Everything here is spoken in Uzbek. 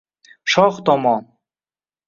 Shoh tomon.